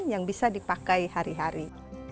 yang bisa dipakai hari hari